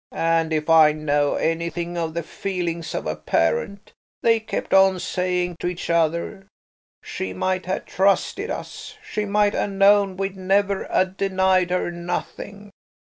An' if I know anything of the feelings of a parent, they kept on saying to each other, 'She might ha' trusted us. She might 'a' known we'd never 'a' denied her nothing.'